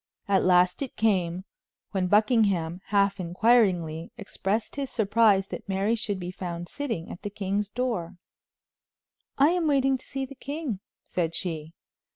At last it came, when Buckingham, half inquiringly, expressed his surprise that Mary should be found sitting at the king's door. "I am waiting to see the king," said she.